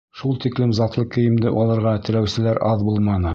Шул тиклем затлы кейемде алырға теләүселәр аҙ булманы.